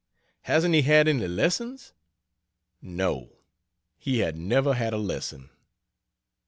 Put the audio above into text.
Hasn't he had any lessons?" No. He had never had a lesson.